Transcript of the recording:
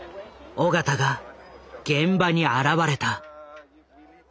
緒方が現場に現れた。